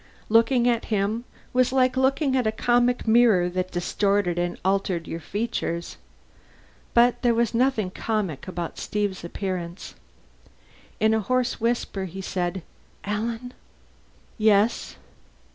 Looking at him was like looking at a comic mirror that distorted and altered your features. But there was nothing comic about Steve's appearance. In a hoarse whisper he said, "Alan?" "Yes."